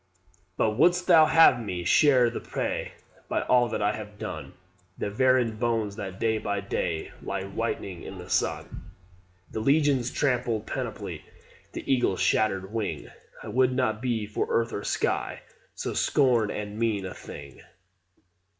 "But wouldst thou have ME share the prey? By all that I have done, The Varian bones that day by day Lie whitening in the sun, The legion's trampled panoply, The eagle's shattered wing, I would not be for earth or sky So scorn'd and mean a thing.